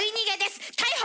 逮捕！